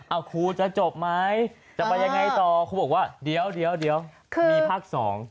เอาครูจะจบไหมจะไปยังไงต่อครูบอกว่าเดี๋ยวมีภาค๒